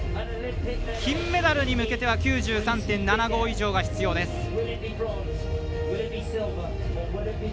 金メダルに向けては９３．７５以上が必要です。